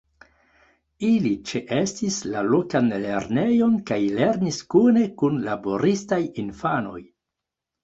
Ili ĉeestis la lokan lernejon kaj lernis kune kun laboristaj infanoj.